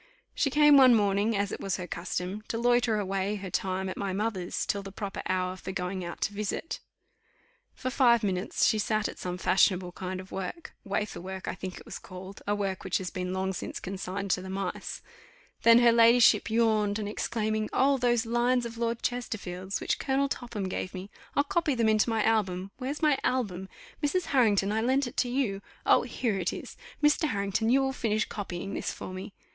She came one morning, as it was her custom, to loiter away her time at my mother's till the proper hour for going out to visit. For five minutes she sat at some fashionable kind of work wafer work, I think it was called, a work which has been long since consigned to the mice; then her ladyship yawned, and exclaiming, "Oh, those lines of Lord Chesterfield's, which Colonel Topham gave me; I'll copy them into my album. Where's my album? Mrs. Harrington, I lent it to you. Oh! here it is. Mr. Harrington, you will finish copying this for me."